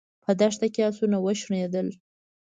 په دښته کې آسونه وشڼېدل.